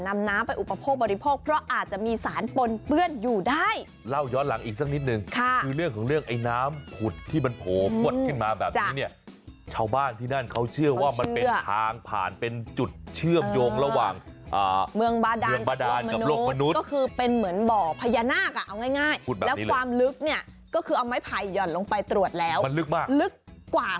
มันเปื้อนอยู่ได้เล่าย้อนหลังอีกสักนิดนึงค่ะคือเรื่องของเรื่องไอ้น้ำผุดที่มันโผดขึ้นมาแบบนี้เนี่ยชาวบ้านที่นั่นเขาเชื่อว่ามันเป็นทางผ่านเป็นจุดเชื่อมโยงระหว่างเมืองบาดานกับโลกมนุษย์ก็คือเป็นเหมือนบ่อพญานาคอ่ะเอาง่ายแล้วความลึกเนี่ยก็คือเอาไม้ไผ่หย่อนลงไปตรวจแล้วมันลึก